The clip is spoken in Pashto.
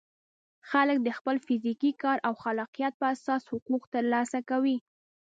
خلک د خپل فزیکي کار او خلاقیت په اساس حقوق ترلاسه کوي.